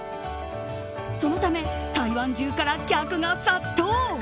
そのため、台湾中から客が殺到！